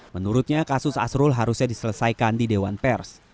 menurutnya kasus asrul harusnya diselesaikan di dewan pers